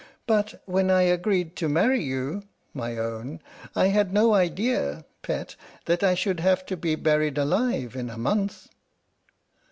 But when I agreed to marry you (my own) I had no idea (pet) that I should have to be buried alive in a month